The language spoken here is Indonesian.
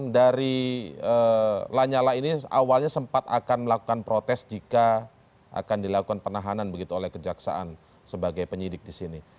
dari lanyala ini awalnya sempat akan melakukan protes jika akan dilakukan penahanan begitu oleh kejaksaan sebagai penyidik di sini